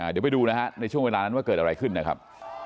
เดี๋ยวไปดูนะฮะในช่วงเวลานั้นว่าเกิดอะไรขึ้นนะครับ